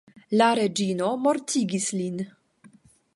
La reĝino mortigis lin.